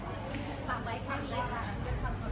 มันเป็นภาษาไทยก็ไม่ได้จัดการ